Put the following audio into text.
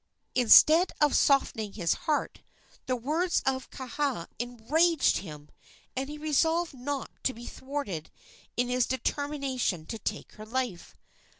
Instead of softening his heart, the words of Kaha enraged him, and he resolved not to be thwarted in his determination to take her life.